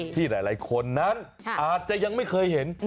ที่หลายคนนั้นอาจจะยังไม่เคยเห็น